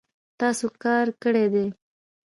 تاسو کار کړی دی